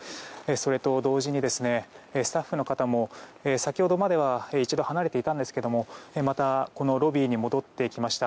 それと同時にスタッフの方も先ほどまでは一度離れていたんですがまたこのロビーに戻ってきました。